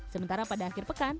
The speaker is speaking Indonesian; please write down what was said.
sementara pada akhir pekan